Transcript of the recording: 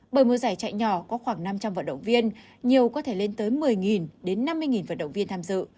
bởi mùa giải chạy nhỏ có khoảng năm trăm linh vận động viên nhiều có thể lên tới một mươi đến năm mươi vận động viên tham dự